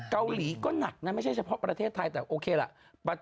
เกาหลีก็หนักนะไม่ใช่เฉพาะประเทศไทยแต่โอเคล่ะ